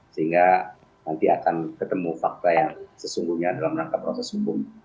sehingga nanti akan ketemu fakta yang sesungguhnya dalam rangka proses hukum